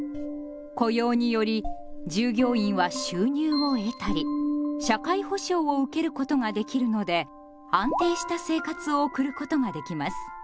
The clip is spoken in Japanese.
雇用により従業員は収入を得たり社会保障を受けることができるので安定した生活を送ることができます。